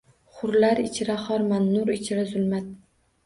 Hurlar ichra xorman, nur ichra zulmat